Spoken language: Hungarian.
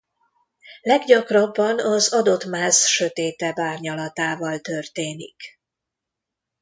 Leggyakrabban az adott máz sötétebb árnyalatával történik.